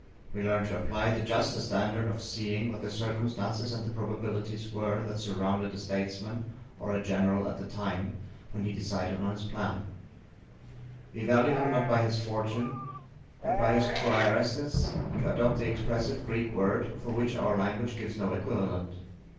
We learn to apply the juster standard of seeing what the circumstances and the probabilities were that surrounded a statesman or a general at the time when he decided on his plan: we value him not by his fortune, but by his PROAIRESIZ, to adopt the expressive Greek word, for which our language gives no equivalent.